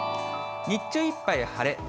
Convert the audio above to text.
日中いっぱい晴れ。